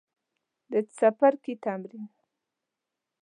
د څپرکي تمرین